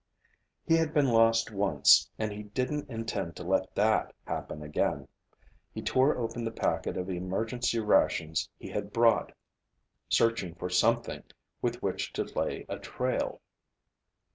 He had been lost once, and he didn't intend to let that happen again. He tore open the packet of emergency rations he had brought, searching for something with which to lay a trail.